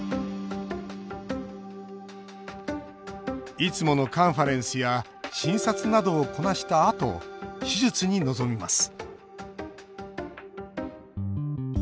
いつものカンファレンスや診察などをこなしたあと手術に臨みます